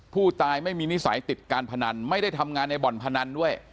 ผู้ตายไม่มีนิสัยติดการพนันไม่ได้ทำงานในบ่อนพนันด้วย